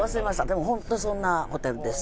でも本当そんなホテルです。